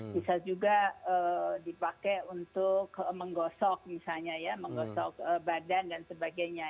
bisa juga dipakai untuk menggosok misalnya ya menggosok badan dan sebagainya